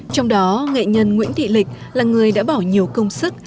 trong đó nghệ nhân nguyễn thị lịch là người đã bỏ nhiều công sức